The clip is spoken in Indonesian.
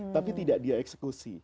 tapi tidak dia eksekusi